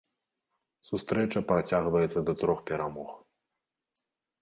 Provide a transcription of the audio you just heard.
Сустрэча працягваецца да трох перамог.